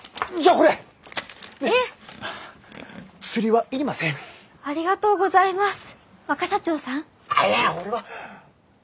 あっいや俺は。